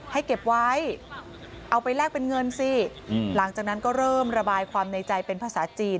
ให้เก็บไว้เอาไปแลกเป็นเงินสิหลังจากนั้นก็เริ่มระบายความในใจเป็นภาษาจีน